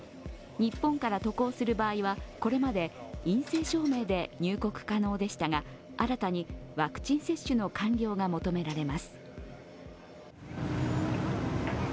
日本から渡航する場合はこれまで陰性証明で入国可能でしたが新たにワクチン接種の完了が求められます。